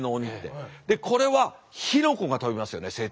これは火の粉が飛びますよね